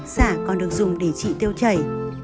sả còn được dùng để trị tiêu chảy